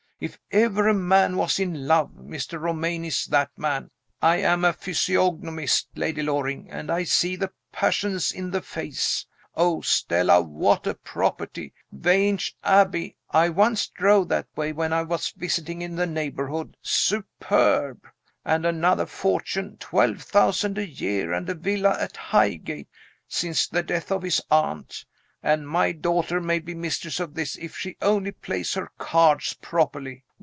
If ever a man was in love, Mr. Romayne is that man. I am a physiognomist, Lady Loring, and I see the passions in the face. Oh, Stella, what a property! Vange Abbey. I once drove that way when I was visiting in the neighborhood. Superb! And another fortune (twelve thousand a year and a villa at Highgate) since the death of his aunt. And my daughter may be mistress of this if she only plays her cards properly.